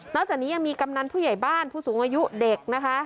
จากนี้ยังมีกำนันผู้ใหญ่บ้านผู้สูงอายุเด็กนะคะ